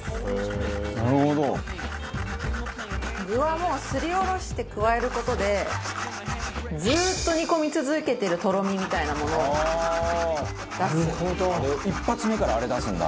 具は、もうすりおろして加える事でずっと煮込み続けてるとろみみたいなものを出す。